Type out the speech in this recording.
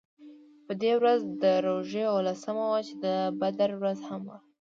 په دې ورځ د روژې اوولسمه وه چې د بدر ورځ هم وه.